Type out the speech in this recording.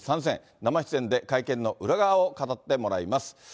生出演で会見の裏側を語ってもらいます。